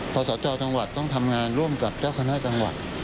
พอสจจังหวัดต้องทำงานร่วมกับเจ้าคณะจังหวัด